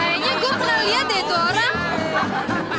kayaknya gue pernah liat deh itu orang